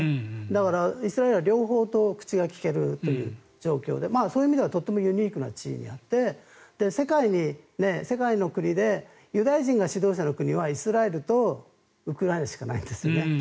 だからイスラエルは両方と口が利ける状況でそういう意味ではとてもユニークな地位にあって世界の国でユダヤ人が指導者に国はイスラエルとウクライナしかないんですね。